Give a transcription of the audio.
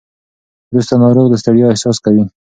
وروسته ناروغ د ستړیا احساس کوي.